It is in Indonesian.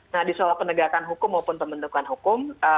nah di soal penegakan hukum maupun pembentukan hukum